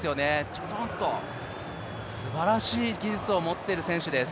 ちょちょんとすばらしい技術を持っている選手です。